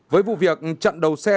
với vụ việc chặn đầu xe